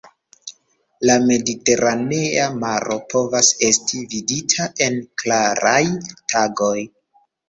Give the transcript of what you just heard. La Mediteranea Maro povas esti vidita en klaraj tagoj.